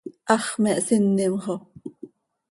¡Hax me hsinim xo!